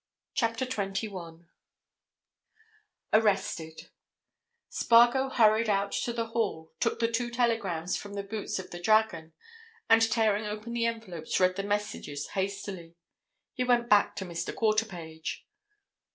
CHAPTER TWENTY ONE ARRESTED Spargo hurried out to the hall, took the two telegrams from the boots of the "Dragon," and, tearing open the envelopes, read the messages hastily. He went back to Mr. Quarterpage.